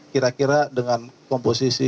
kira kira dengan komposisi